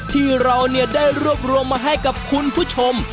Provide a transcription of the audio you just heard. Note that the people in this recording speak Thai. ที่เราได้รวบรวมมาให้กับคุณผู้ชม